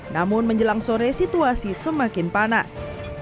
namun menjelang sore situasi semakin panas